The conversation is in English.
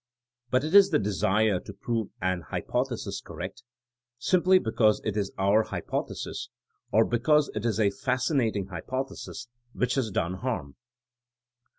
But it is the desire to prove an hypothesis cor rect, simply because it is our hypothesis, or be cause it is a fascinating hypothesis, which has done harm.